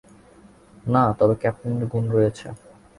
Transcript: না, তবে ক্যাপ্টেনের গুণ রয়েছে।